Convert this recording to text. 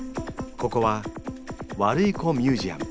ここは「ワルイコミュージアム」。